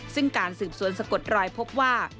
ซึ่งการสืบสวนสะกดรอยพบว่า